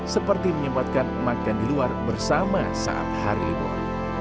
seperti menyempatkan makan di luar bersama saat hari libur